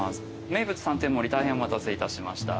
名物３点盛り大変お待たせいたしました。